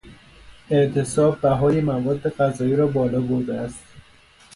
اعتصاب بهای مواد غذایی را بالا برده است.